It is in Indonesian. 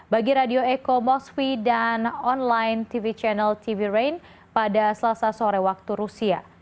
bagi radio eko mosfi dan online tv channel tv rhein pada selasa sore waktunya